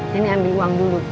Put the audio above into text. nenek ambil uang dulu